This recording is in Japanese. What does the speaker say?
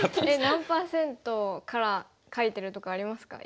何パーセントから書いてるとかありますか？